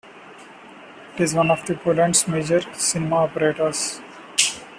It is one of Poland's major cinema operators.